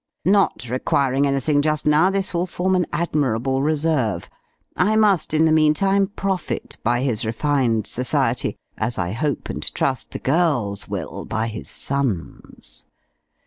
Not requiring anything just now, this will form an admirable reserve; I must, in the meantime, profit by his refined society, as I hope and trust the girls will by his sons'.